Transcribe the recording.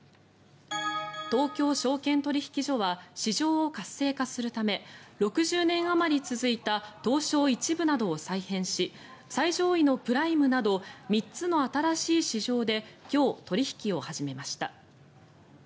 東京証券取引所は市場を活性化するため６０年あまり続いた東証１部などを再編し最上位のプライムなど３つの新しい市場で今日、取引を始めました。